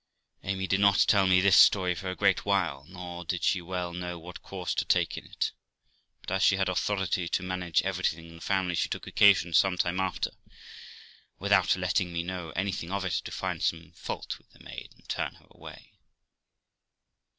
Amy did not tell me this story for a great while, nor did she well know what course to take in it; but as she had authority to manage everything in the family, she took occasion some time after, without letting me know anything of it, to find some fault with the maid and turn her away.